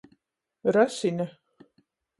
Rasine.